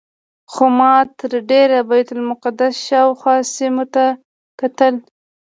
خو ما تر ډېره د بیت المقدس شاوخوا سیمو ته کتل.